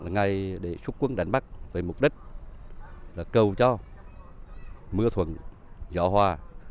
ngày để xuất quân đánh bắt với mục đích cầu cho mưa thuận gió hòa